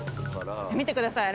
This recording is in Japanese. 見てください。